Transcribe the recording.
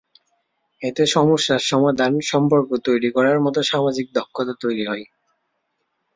এতে সমস্যার সমাধান, সম্পর্ক তৈরি করার মতো সামাজিক দক্ষতা তৈরি হয়।